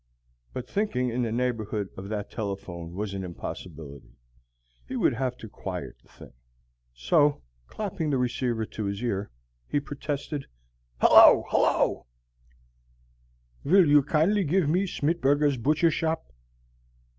But thinking in the neighborhood of that telephone was an impossibility. He would have to quiet the thing. So, clapping the receiver to his ear, he protested, "Hello! hello!" "Will you kindly give me Schmittberger's butcher shop?"